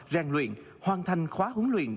ràng luyện hoàn thành khóa huấn luyện